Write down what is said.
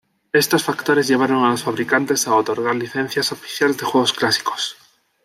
Estos factores llevaron a los fabricantes a otorgar licencias oficiales de juegos clásicos.